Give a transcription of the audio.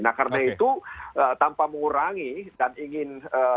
nah karena itu tanpa mengurangi dan ingin